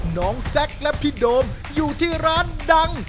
แซ็กและพี่โดมอยู่ที่ร้านดัง